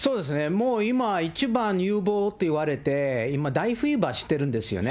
もう今一番有望と言われて、今、大フィーバーしてるんですよね。